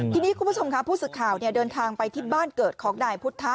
ทีนี้คุณผู้ชมค่ะผู้สื่อข่าวเดินทางไปที่บ้านเกิดของนายพุทธะ